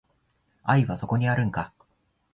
愛はそこにあるんか